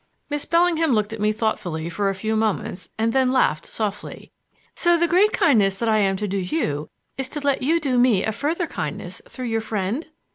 Miss Bellingham looked at me thoughtfully for a few moments, and then laughed softly. "So the great kindness that I am to do you is to let you do me a further kindness through your friend?"